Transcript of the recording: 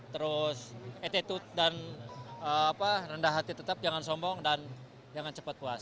terus attitude dan rendah hati tetap jangan sombong dan jangan cepat puas